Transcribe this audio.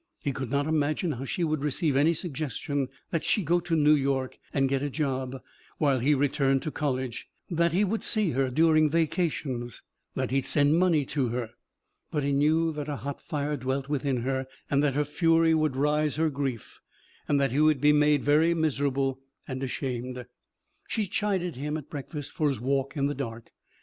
He could not imagine how she would receive any suggestion that she go to New York and get a job, while he returned to college, that he see her during vacations, that he send money to her. But he knew that a hot fire dwelt within her and that her fury would rise, her grief, and that he would be made very miserable and ashamed. She chided him at breakfast for his walk in the dark.